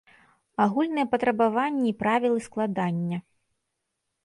Агульныя патрабаванні і правілы складання.